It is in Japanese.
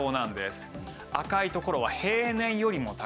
赤い所は平年よりも高い。